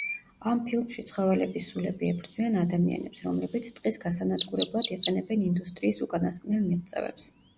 ამ ფილმში ცხოველების სულები ებრძვიან ადამიანებს, რომლებიც ტყის გასანადგურებლად იყენებენ ინდუსტრიის უკანასკნელ მიღწევებს.